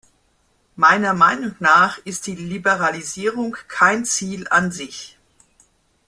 Meiner Meinung nach ist die Liberalisierung kein Ziel an sich.